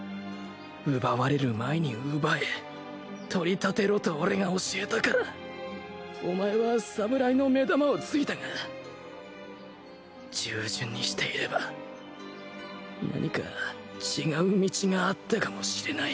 奪われる前に奪え取り立てろと俺が教えたからお前は侍の目玉を突いたが従順にしていれば何か違う道があったかもしれない